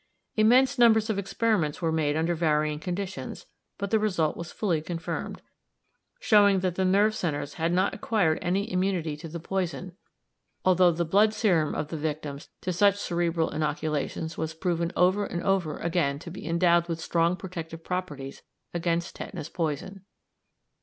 Immense numbers of experiments were made under varying conditions, but the result was fully confirmed, showing that the nerve centres had not acquired any immunity to the poison, although the blood serum of the victims to such cerebral inoculations was proven over and over again to be endowed with strong protective properties against tetanus poison.